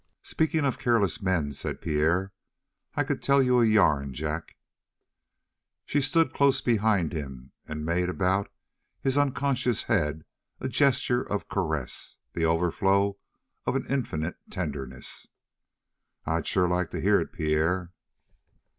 "Speaking of careless men," said Pierre, "I could tell you a yarn, Jack." She stood close behind him and made about his unconscious head a gesture of caress, the overflow of an infinite tenderness. "I'd sure like to hear it, Pierre."